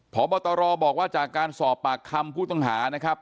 พบตรบอกว่าจากการสอบปากคำผู้ต้องหานะครับ